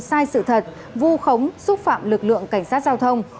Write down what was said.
sai sự thật vu khống xúc phạm lực lượng cảnh sát giao thông